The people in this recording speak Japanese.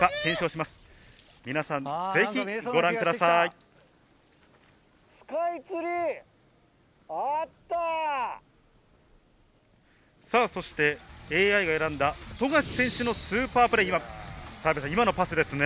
これを聞いて、いかがでそしてＡＩが選んだ富樫選手のスーパープレー、今のパスですね。